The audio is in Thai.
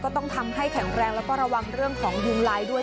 ต้องทำให้แข็งแรงแล้วก็ระวังเรื่องของยุงลายด้วย